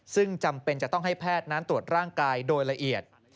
ซึ่งจำเป็นจะต้องให้แพทย์นั้นตรวจร่างกายโดยละเอียด